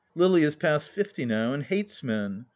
Lily is past fifty now, and hates men.